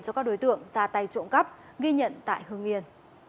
cho các đối tượng ra tay trộm cắt ghi nhận tại hưng yên